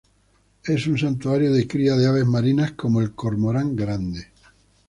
Es un santuario de cría de aves marinas como el cormorán grande.